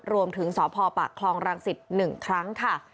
รวมถึงสอพปลากคลองรางศิษฐ์หนึ่งครั้งค่ะ